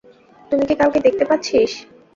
তুই কি কাউকে দেখতে পাচ্ছিস?